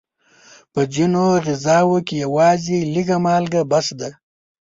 په ځینو غذاوو کې یوازې لږه مالګه بس ده.